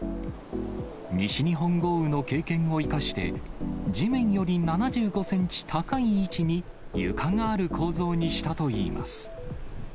西日本豪雨の経験を生かして、地面より７５センチ高い位置に床がある構造にしたといいます。